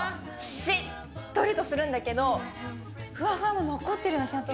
しっとりとするんだけど、ふわふわが残ってるの、ちゃんと。